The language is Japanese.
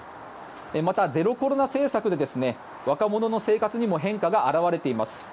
また、ゼロコロナ政策で若者の生活にも変化が表れています。